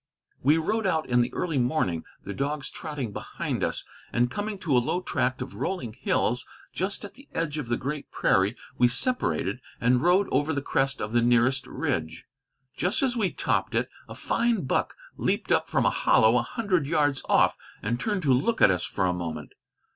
We rode out in the early morning, the dogs trotting behind us; and, coming to a low tract of rolling hills, just at the edge of the great prairie, we separated and rode over the crest of the nearest ridge. Just as we topped it, a fine buck leaped up from a hollow a hundred yards off, and turned to look at us for a moment.